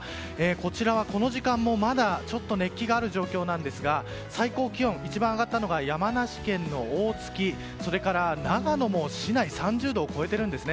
こちらは、この時間もまだちょっと熱気がある状況なんですが最高気温一番上がったのが山梨県の大月それから長野も市内３０度を超えているんです。